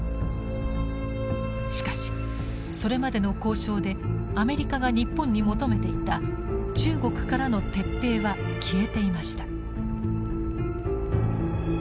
しかしそれまでの交渉でアメリカが日本に求めていた中国からの撤兵は消えていました。